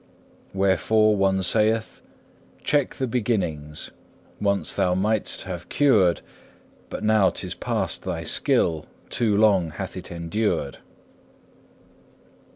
Wherefore one saith, Check the beginnings; once thou might'st have cured, But now 'tis past thy skill, too long hath it endured.